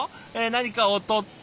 何かを取って？